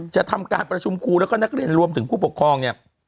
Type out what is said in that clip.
จะทำการประชุมครูแล้วก็นักเรียนรวมถึงผู้ปกครองเนี่ย